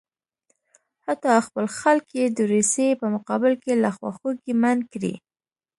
حتی خپل خلک یې د روسیې په مقابل کې له خواخوږۍ منع کړي.